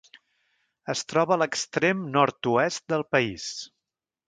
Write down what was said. Es troba a l'extrem nord-oest del país.